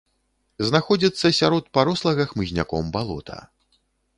Знаходзіцца сярод парослага хмызняком балота.